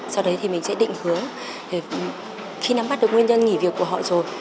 sau đấy thì mình sẽ định hướng khi nắm bắt được nguyên nhân nghỉ việc của họ rồi